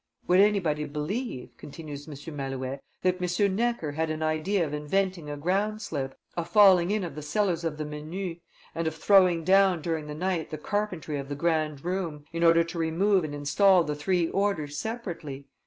Would anybody believe," continues M. Malouet, "that M. Necker had an idea of inventing a ground slip, a falling in of the cellars of the Menus, and of throwing down during the night the carpentry of the grand room, in order to remove and install the three orders separately?